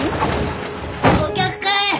お客かい？